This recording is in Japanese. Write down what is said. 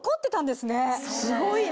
すごいね！